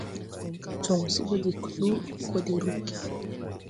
Jon se bɔ jɛ kluu gɔ de ruggi.